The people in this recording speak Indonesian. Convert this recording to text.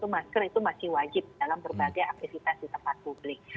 masker itu masih wajib dalam berbagai aktivitas di tempat publik